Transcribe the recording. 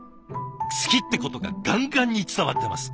好きってことがガンガンに伝わってます。